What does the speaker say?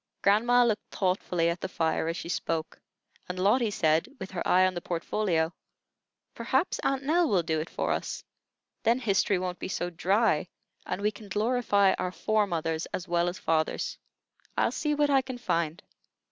Grandma looked thoughtfully at the fire as she spoke, and Lotty said, with her eye on the portfolio: "Perhaps Aunt Nell will do it for us. Then history won't be so dry, and we can glorify our fore mothers as well as fathers." "I'll see what I can find.